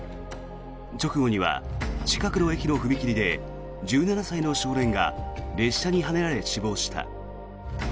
直後には近くの駅の踏切で１７歳の少年が列車にはねられ死亡した。